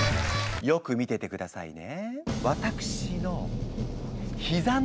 よく見ててくださいね。